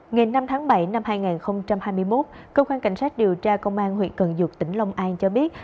ngày năm tháng bảy năm hai nghìn hai mươi một cơ quan cảnh sát điều tra công an huyện cần duộc tỉnh long an cho biết